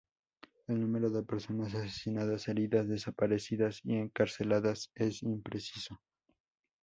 El número de personas asesinadas, heridas, desaparecidas y encarceladas es impreciso.